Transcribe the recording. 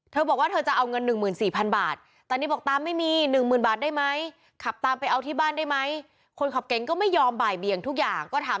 เธอบอกว่าเธอจะเอาเงิน๑๔๐๐๐บาท